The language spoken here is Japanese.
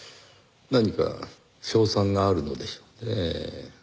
何か勝算があるのでしょうねぇ。